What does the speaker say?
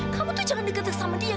kamu tuh jangan dekati sama dia